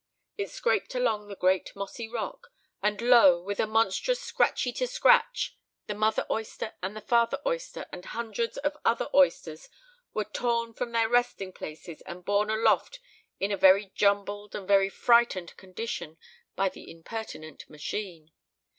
It scraped along the great mossy rock; and lo! with a monstrous scratchy te scratch, the mother oyster and the father oyster and hundreds of other oysters were torn from their resting places and borne aloft in a very jumbled and very frightened condition by the impertinent machine.